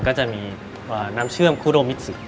ก็จะมีน้ำเชื่อมคุโดมิสิก